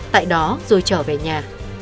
tại đó rồi trở về nhà